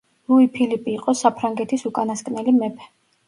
ლუი-ფილიპი იყო საფრანგეთის უკანასკნელი მეფე.